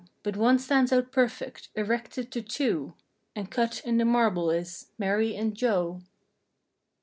But one stands out perfect—erected to two— And cut in the marble is: "MARY AND JOE."